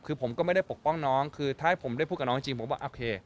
คือผมก็ไม่ได้ปกป้องน้องคือถ้าให้ผมได้พูดกับน้องจริงผมบอกโอเค